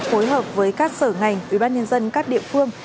phối hợp với các sở ngành ủy ban nhân dân các địa phương